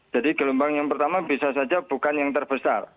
jadi gelombang yang pertama bisa saja bukan yang terbesar